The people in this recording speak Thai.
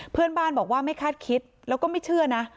เพื่อนบ้านบอกว่าไม่คาดคิดแล้วก็ไม่เชื่อนะ